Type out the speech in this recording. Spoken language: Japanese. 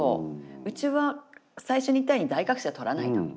「うちは最初に言ったように大学生は取らない」と。